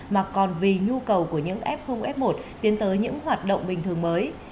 mà còn vì nhu cầu của những f f một tiến tới những hoạt động bình thường mới